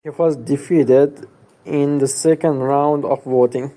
He was defeated in the second round of voting.